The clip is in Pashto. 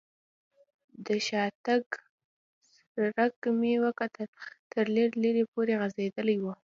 د شاتګ سړک ته مې وکتل، تر لرې لرې پورې غځېدلی و.